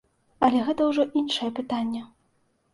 Але гэта ўжо іншае пытанне.